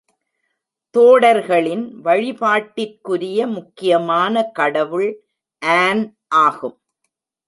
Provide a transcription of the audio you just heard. தோடர்களின் வழிபாட்டிற்குரிய முக்கியமான கடவுள் ஆன் ஆகும்.